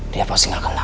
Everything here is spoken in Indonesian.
dia mau singgahkan lo